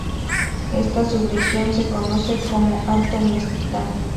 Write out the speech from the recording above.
Esta subregión se conoce como Alto Mezquital.